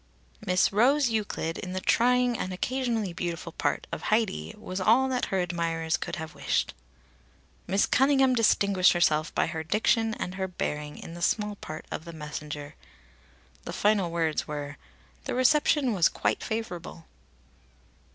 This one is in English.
"Miss Rose Euclid in the trying and occasionally beautiful part of Haidee was all that her admirers could have wished" ... "Miss Cunningham distinguished herself by her diction and bearing in the small part of the Messenger." The final words were: "The reception was quite favourable."